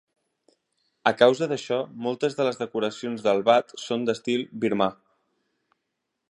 A causa d'això, moltes de les decoracions del wat són d'estil birmà.